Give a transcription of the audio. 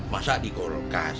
masa di kulkas